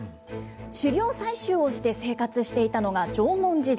狩猟採集をして生活していたのが、縄文時代。